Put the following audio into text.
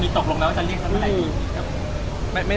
นี่ตกลงแล้วว่าจะเรียกเขาใครดี